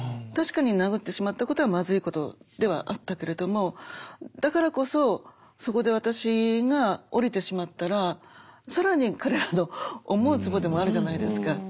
確かに殴ってしまったことはまずいことではあったけれどもだからこそそこで私が降りてしまったら更に彼らの思うつぼでもあるじゃないですか。